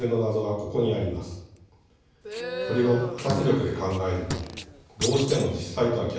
これを摩擦力で考えるとどうしても実際とは逆向きに曲がるはずなのです。